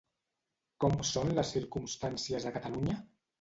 Com són les circumstàncies a Catalunya?